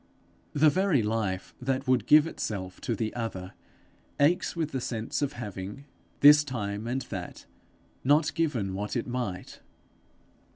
The very life that would give itself to the other, aches with the sense of having, this time and that, not given what it might.